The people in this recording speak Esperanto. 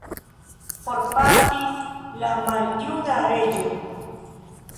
Forpasis la maljuna reĝo.